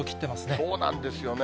そうなんですよね。